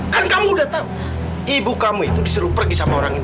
kan kamu udah tahu ibu kamu itu disuruh pergi sama orang ini